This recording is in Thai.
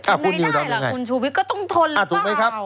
หลับนอนไม่ได้ทำในได้คุณชูวิคก็ต้องทนหรือเปล่า